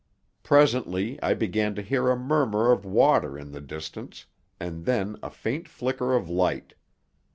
Presently I began to hear a murmur of water in the distance, and then a faint flicker of light.